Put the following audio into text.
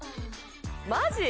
マジ？